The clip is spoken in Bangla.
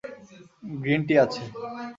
গ্রিন টি আছে।